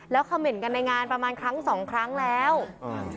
แล้วเขม่นกันในงานประมาณครั้งสองครั้งแล้วอืม